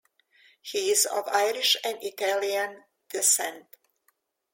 He is of Irish and Italian descent.